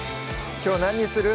きょう何にする？